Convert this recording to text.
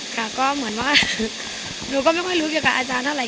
ค่ะก็เหมือนว่าหนูก็ไม่ค่อยรู้เกี่ยวกับอาจารย์เท่าไห